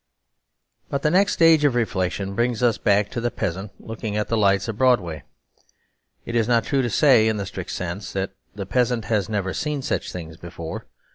But the next stage of reflection brings us back to the peasant looking at the lights of Broadway. It is not true to say in the strict sense that the peasant has never seen such things before.